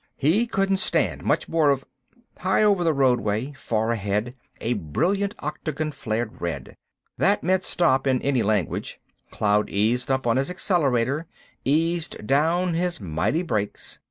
He couldn't stand much more of— High over the roadway, far ahead, a brilliant octagon flared red. That meant "STOP!" in any language. Cloud eased up his accelerator, eased down his mighty brakes.